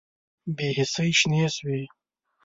بې حسۍ شنې شوې